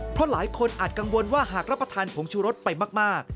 เพราะหลายคนอาจกังวลว่าหากรับประทานผงชูรสไปมาก